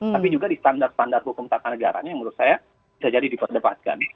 tapi juga di standar standar hukum tata negaranya yang menurut saya bisa jadi diperdebatkan